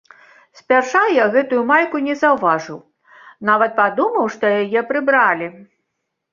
Спярша я гэтую майку не заўважыў, нават падумаў, што яе прыбралі.